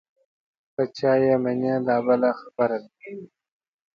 په چا یې منې دا بله خبره ده.